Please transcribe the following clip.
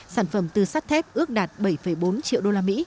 sản phẩm từ sắt thép ước đạt bảy bốn triệu usd